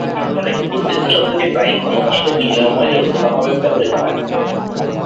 সরকারে, "কর্তৃত্ব" শব্দটি প্রায়ই "ক্ষমতা"র সাথে বিনিময়যোগ্যভাবে ব্যবহৃত হয়।